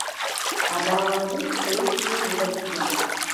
அதாவது தேசிய இலக்கியம்.